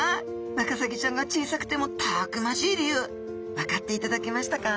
ワカサギちゃんが小さくてもたくましい理由分かっていただけましたか？